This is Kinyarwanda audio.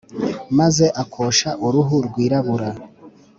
maze akosha uruhu rwirabura